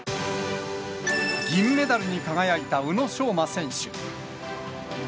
銀メダルに輝いた宇野昌磨選手。